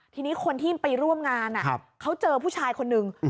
ทีนี้คนที่ไปร่วมงานอ่ะครับเขาเจอผู้ชายคนนึง